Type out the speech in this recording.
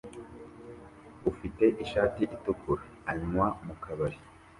ufite ishati itukura anywa mu kabari